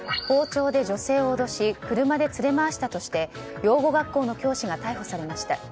包丁で女性を脅し車で連れ回したとして養護学校の教師が逮捕されました。